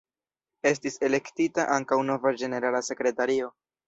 Estis elektita ankaŭ nova ĝenerala sekretario.